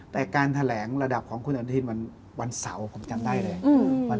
แต่การแถลงระดับของคุณอนุทินวันเสาร์ผมจำได้เลย